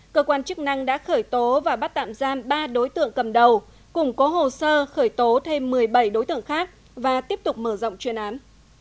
cơ quan chức năng đã khởi tố và bắt tạm giam ba đối tượng cầm đầu củng cố hồ sơ khởi tố thêm một mươi bảy đối tượng khác và tiếp tục mở rộng chuyên án